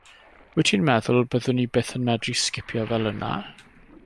Wyt ti'n meddwl byddwn i byth yn medru sgipio fel yna?